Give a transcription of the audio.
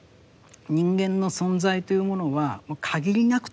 人間の存在というものは限りなく